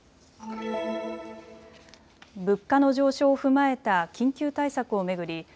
物価の上昇を踏まえた緊急対策を巡り